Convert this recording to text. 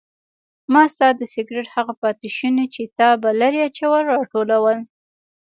ما ستا د سګرټ هغه پاتې شوني چې تا به لرې اچول راټولول.